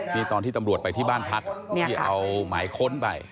นี่ตอนที่ตำรวจไปที่บ้านพักที่เอาหมายค้นไป